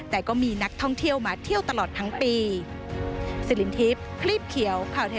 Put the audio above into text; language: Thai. แต่ก็มีนักท่องเที่ยวมาเที่ยวตลอดทั้งปี